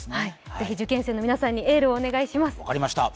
ぜひ受験生の皆さんにエールをお願いします。